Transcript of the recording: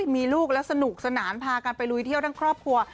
มีลูกแล้วสนุกสนานพากันไปลุยเที่ยวทั้งครอบครัว